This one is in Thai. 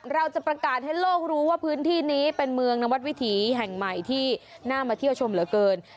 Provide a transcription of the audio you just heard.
เราจะประกาศให้โลกรู้ว่าพื้นที่นี้เป็นเมืองนวัดวิถีแห่งใหม่ที่น่ามาเที่ยวชมเหลือเกิน